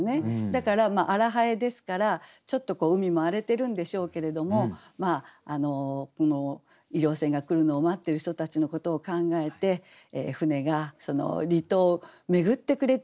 だから「荒南風」ですからちょっと海も荒れてるんでしょうけれども医療船が来るのを待ってる人たちのことを考えて船が離島を巡ってくれていることの安心感とか。